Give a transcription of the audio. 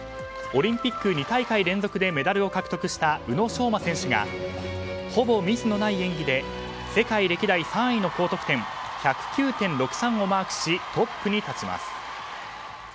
オリンピック２大会連続でメダルを獲得した宇野昌磨選手がほぼミスのない演技で世界歴代３位の高得点１０９．６３をマークしトップに立ちます。